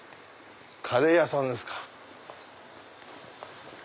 カレー屋さんですか。